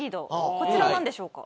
こちらなんでしょうか？